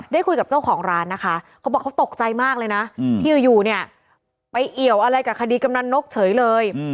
ได้คุยกับเจ้าของร้านนะคะเขาบอกเขาตกใจมากเลยนะที่อยู่เนี่ยไปเอี่ยวอะไรกับคดีกำนันนกเฉยเลย